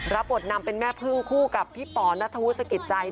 รับบทนำเป็นแม่พึ่งคู่กับพี่ป๋อนัทธวุฒิสกิจใจ